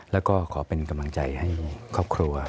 แล้วก็ขอเป็นกำลังใจให้ครอบครัว